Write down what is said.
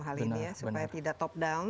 hal ini ya supaya tidak top down